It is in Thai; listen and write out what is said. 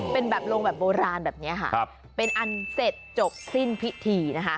เป็นโลงแบบโบราณแบบนี้เป็นอันเสร็จจบสิ้นพิธี